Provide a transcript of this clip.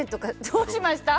どうしました？